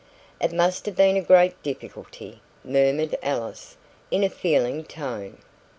"It must have been a great difficulty," murmured Alice, in a feeling tone.